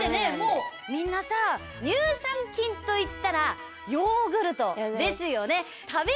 みんなさ乳酸菌といったらヨーグルトですよね。